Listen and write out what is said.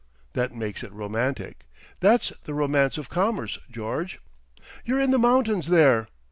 That makes it romantic. That's the Romance of Commerce, George. You're in the mountains there!